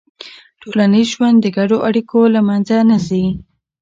ټولنیز ژوند د ګډو اړیکو له منځه نه ځي.